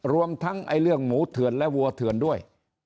รวมทั้งเรื่องหมูเถื่อนและวัวเถื่อนด้วย